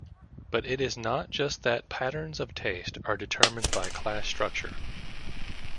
But it is not just that patterns of taste are determined by class structure.